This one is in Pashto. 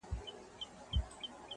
يوازيتوب ريشا په ډک ښار کي يوازي کړمه -